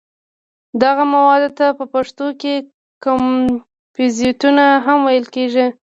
دغه موادو ته په پښتو کې کمپوزیتونه هم ویل کېږي.